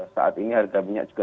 saat ini harga minyak juga